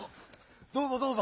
どうぞどうぞ！